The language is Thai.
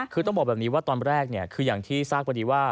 คือต้องบอกแบบนี้ว่าตอนแรกเนี่ยคืออย่างที่ทราบพอดีว่า